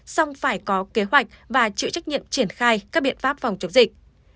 xong phải có kế hoạch và chịu trách nhiệm triển khai các biện pháp phòng chống dịch